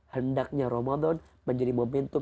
hendaknya ramadan menjadi momentum